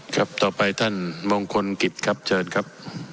ครับต่อไปท่านมงคลกิจครับเชิญครับ